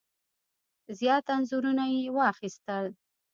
زیات انځورونه یې واخیستل.